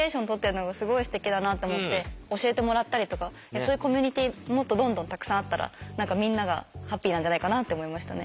そういうコミュニティーもっとどんどんたくさんあったらみんながハッピーなんじゃないかなって思いましたね。